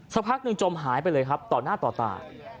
สักพักหนึ่งจมหายไปเลยครับต่อหน้าต่อตา